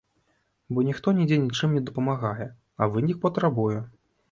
Бо ніхто нідзе нічым не дапамагае, а вынік патрабуе.